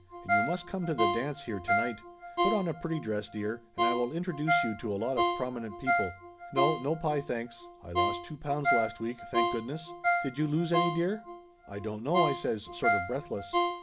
And you must come to the dance here to night. Put en a pretty dress, dear, and I wil introduce you to a lot of prominent people. No, no pie, thanks! I lost two pounds last week, thank goodness ! Did you lose any, dear ?" "I don't know !" I says, sort of breathless.